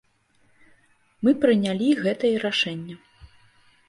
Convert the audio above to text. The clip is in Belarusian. Мы прынялі гэтае рашэнне.